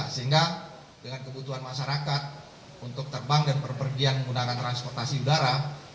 sehingga dengan kebutuhan masyarakat untuk terbang dan berpergian menggunakan transportasi udara